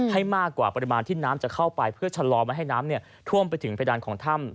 ให้มากกว่าปริมาณที่น้ำจะเข้าไปเพื่อชะลอไม่ให้น้ำท่วมไปถึงเพดานของถ้ำ